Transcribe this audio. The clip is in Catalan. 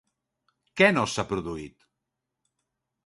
Què no s'ha produït?